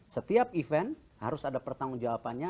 setiap event harus ada pertanggung jawabannya